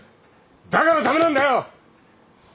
だから駄目なんだよ。